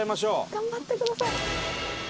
頑張ってください！